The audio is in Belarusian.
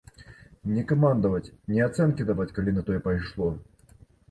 Не камандаваць, не ацэнкі даваць, калі на тое пайшло.